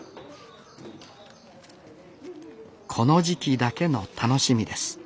この時期だけの楽しみです